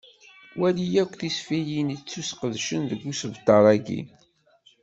Wali akk tisefsiyin ittusqedcen deg usebter-agi.